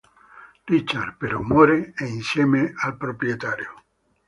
Richard, però, muore insieme al proprietario.